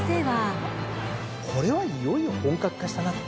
これはいよいよ本格化したなと。